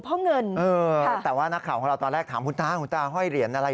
เงินเออแต่ว่านักข่าวของเราตอนแรกถามคุณตาคุณตาห้อยเหรียญอะไร